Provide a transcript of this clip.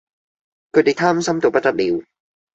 佢地貪心到不得了